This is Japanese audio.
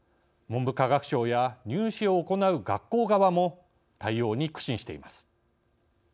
文部科学省や入試を行う学校側も対応に苦心しています。